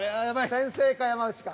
先生か山内か。